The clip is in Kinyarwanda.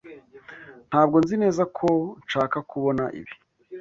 Ntabwo nzi neza ko nshaka kubona ibi.